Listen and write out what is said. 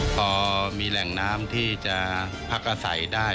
พอมีแหล่งน้ำที่จะพักอาศัยได้